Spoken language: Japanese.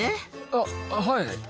あっはい。